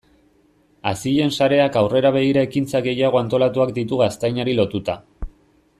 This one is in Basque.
Hazien sareak aurrera begira ekintza gehiago antolatuak ditu gaztainari lotuta.